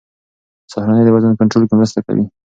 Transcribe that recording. سهارنۍ د وزن کنټرول کې مرسته کوي.